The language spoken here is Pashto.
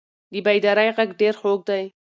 د بیدارۍ غږ ډېر خوږ دی.